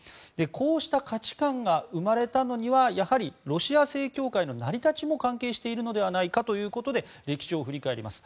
こうした価値観が生まれたのにはロシア正教会の成り立ちも関係しているのではないかということで歴史を振り返ります。